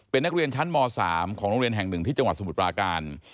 เป็นนักเรียนชั้นม๓ของโรงเรียนแห่งหนึ่งที่จังหวัดสมุทรปราการ